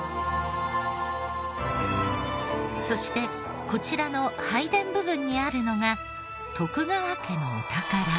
そしてこちらの拝殿部分にあるのが徳川家のお宝。